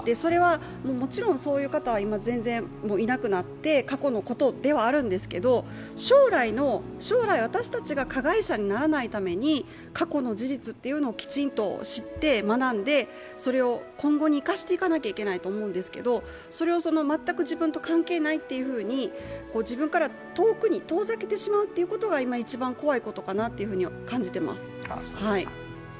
もちろん、そういう人は今、全然いなくなって過去のことではあるんですけど、将来、私たちが加害者にならないために、過去の事実をきちんと知って学んで、それを今後に生かしていかなきゃいけないと思うんですけどそれを全く自分と関係ないっていうふうに自分から遠ざけてしまうことが今、一番怖いことかなと感じています。